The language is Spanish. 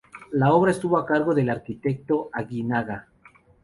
La obra estuvo a cargo del Arquitecto Aguinaga.